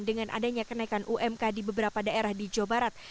dengan adanya kenaikan umk di beberapa daerah di jawa barat